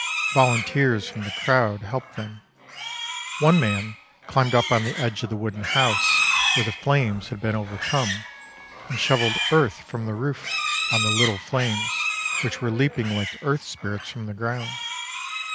Volunteers from the crowd helped them. One man climbed up on the edge of the wooden house, where the flames had been overcome, and shovelled earth from the roof on the little flames, which were leaping like earth spirits from the ground.